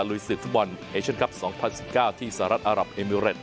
ลุยศึกฟุตบอลเอเชียนคลับ๒๐๑๙ที่สหรัฐอารับเอมิเรต